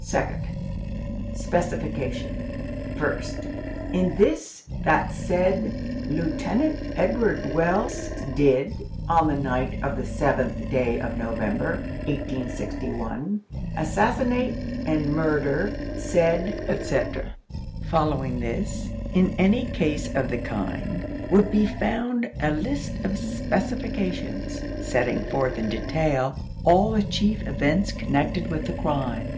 "2d.—Specification.—1st. In this, that said Lieutenant Edward Wells, did, on the night of the seventh day of November, 1861, assassinate and murder said," etc. Following this, in any case of the kind, would be found a list of "specifications," setting forth in detail, all the chief events connected with the crime.